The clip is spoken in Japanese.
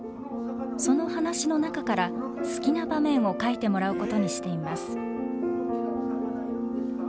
その話の中から好きな場面を描いてもらうことにしています。